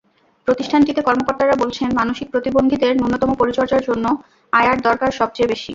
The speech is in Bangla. প্রতিষ্ঠানটিতে কর্মকর্তারা বলছেন, মানসিক প্রতিবন্ধীদের ন্যূনতম পরিচর্যার জন্য আয়ার দরকার সবচেয়ে বেশি।